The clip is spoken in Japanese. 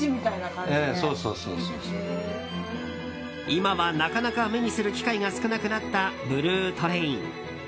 今はなかなか目にする機会が少なくなったブルートレイン。